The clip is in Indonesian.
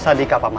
sandi kak paman